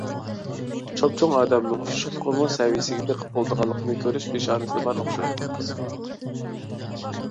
چوپچوڭ ئادەمنىڭ ئۇششۇقلۇقىمۇ سەۋىيسىگە بېقىپ بولىدىغانلىقىنى كۆرۈش پىشانىدە بار ئوخشايدۇ.